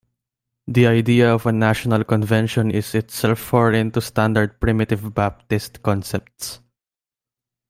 The idea of a national convention is itself foreign to standard Primitive Baptist concepts.